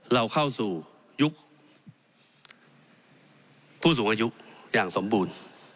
เราเข้าสู่ยุคผู้สูงอายุอย่างสมบูรณ์